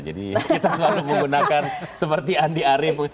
jadi kita selalu menggunakan seperti andi arief